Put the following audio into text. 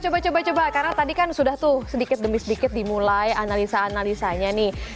coba coba karena tadi kan sudah tuh sedikit demi sedikit dimulai analisa analisanya nih